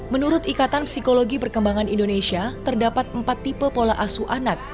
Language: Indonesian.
menurut ikatan psikologi perkembangan indonesia terdapat empat tipe pola asu anak